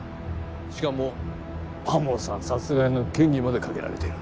しかも天羽さん殺害の嫌疑までかけられている。